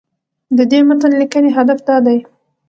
د دې متن لیکنې هدف دا دی